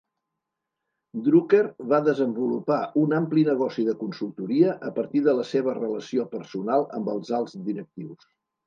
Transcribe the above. Drucker va desenvolupar un ampli negoci de consultoria a partir de la seva relació personal amb els alts directius.